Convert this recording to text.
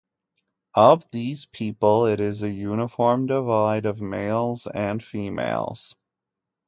Of these people, it is a uniform divide of males and females.